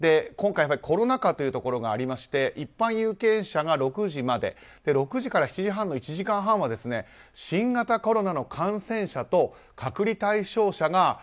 今回、コロナ禍というところがありまして一般有権者が６時まで６時から７時半の１時間半は新型コロナの感染者と隔離対象者が。